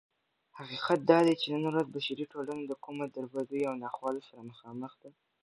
حقيقت دادى چې نن ورځ بشري ټولنه دكومو دربدريو او ناخوالو سره مخامخ ده